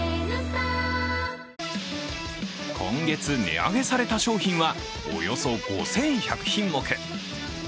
今月値上げされた商品はおよそ５１００品目。